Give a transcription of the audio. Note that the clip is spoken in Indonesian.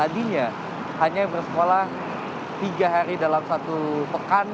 tadinya hanya bersekolah tiga hari dalam satu pekan